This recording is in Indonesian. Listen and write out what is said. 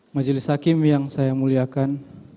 majelis hakim yang saya muliakan